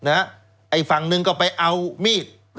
ไอ้ฝั่งหนึ่งก็ไปเอามีด